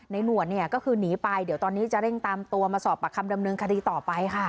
หนวดเนี่ยก็คือหนีไปเดี๋ยวตอนนี้จะเร่งตามตัวมาสอบปากคำดำเนินคดีต่อไปค่ะ